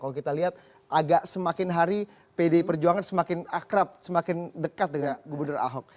kalau kita lihat agak semakin hari pdi perjuangan semakin akrab semakin dekat dengan gubernur ahok